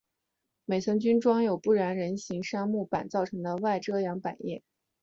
每层均装有不燃人造杉木板制成的外遮阳百叶。